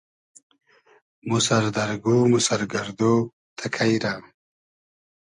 مۉ سئر دئر گوم و سئر گئردۉ تئکݷ رۂ